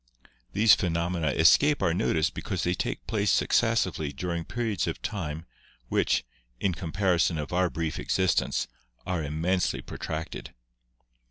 "These phenomena escape our notice because they take place successively during periods of time, which, in comparison of our brief existence, are immensely protracted.